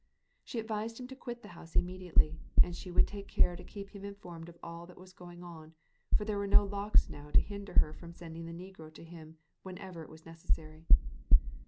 She advised him to quit the house immediately, and she would take care to keep him informed of all that was going on, for there were no locked doors now to hinder her from sending the negro to him whenever it was necessary.